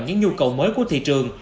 những nhu cầu mới của thị trường